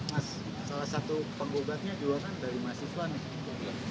mas salah satu penggugatnya juga kan dari mahasiswa nih